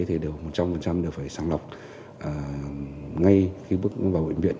thì đều một trăm linh đều phải sàng lọc ngay khi bước vào bệnh viện